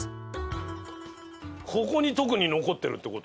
ここに特に残ってるって事？